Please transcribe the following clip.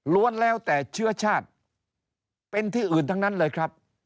แล้วแต่เชื้อชาติเป็นที่อื่นทั้งนั้นเลยครับ